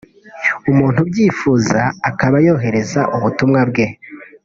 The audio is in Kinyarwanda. umuntu ubyifuza akaba yohereza ubutumwa bwe